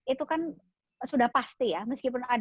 itu kan sudah pasti ya meskipun ada